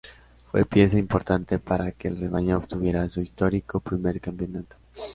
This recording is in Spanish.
Fue pieza importante para que el Rebaño obtuviera su histórico primer campeonato.